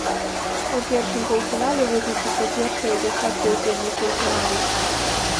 У першым паўфінале вызначыцца першая дзясятка ўдзельнікаў фіналу.